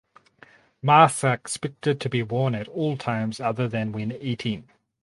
Masks are expected to be worn at all times other than when eating.